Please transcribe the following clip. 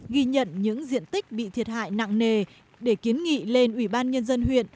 ghi nhận những diện tích bị thiệt hại nặng nề để kiến nghị lên ủy ban nhân dân huyện